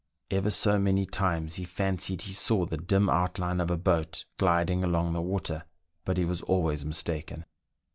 Ever so many times he fancied he saw the dim outline of a boat gliding along the water, but he was always mistaken.